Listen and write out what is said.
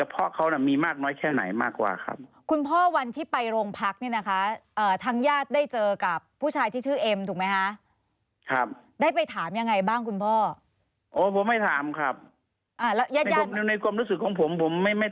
ผมนะครับผมละ